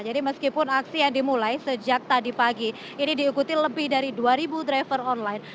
jadi meskipun aksi yang dimulai sejak tadi pagi ini diikuti lebih dari dua ribu driver online